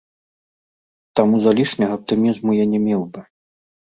Таму залішняга аптымізму я не меў бы.